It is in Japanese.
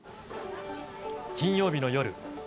金曜日の夜。